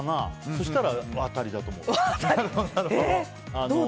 そうしたら当たりだと思う。